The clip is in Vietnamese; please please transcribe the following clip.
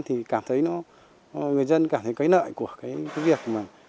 thì cảm thấy nó người dân cảm thấy cái nợ của cái việc mà